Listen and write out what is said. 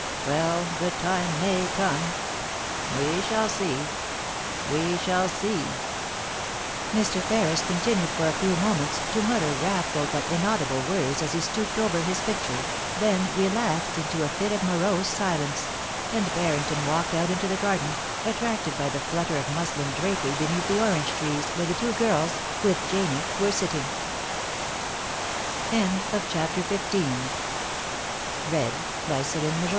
Well, the time may come. ... We shall see — we shall see * Mr. Ferris continued for a few moments to mutter wrathful but inaudible words as he stooped over his picture, then relapsed into a fit of morose silence, and Barrington walked out into the garden, attracted by the flutter of muslin drapery beneath the orange trees where the two girls, with Janie, were sitting.